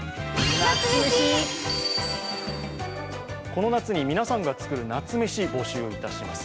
この夏に皆さんが作る夏メシ、募集いたします。